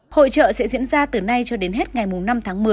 hội trợ sẽ diễn ra từ nay cho đến hết ngày năm tháng một mươi